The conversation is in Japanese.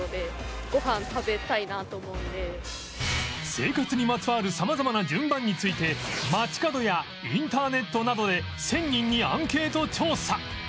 生活にまつわる様々な順番について街角やインターネットなどで１０００人にアンケート調査！